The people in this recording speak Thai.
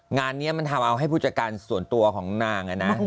งานนี้มันทำเอาให้ผู้จัดการส่วนตัวของนางอะนะ